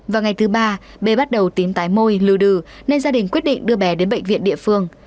vào ngày thứ ba bé bắt đầu tím tái môi lưu đư nên gia đình quyết định đưa bé đến bệnh viện địa phương